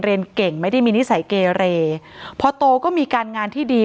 เรียนเก่งไม่ได้มีนิสัยเกเรพอโตก็มีการงานที่ดี